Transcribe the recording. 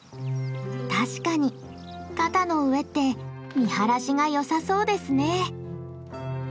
確かに肩の上って見晴らしがよさそうですね。